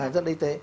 rất là y tế